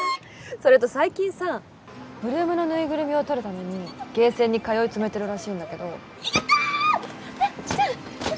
それと最近さ ８ＬＯＯＭ のぬいぐるみを取るためにゲーセンに通い詰めてるらしいんだけどやった！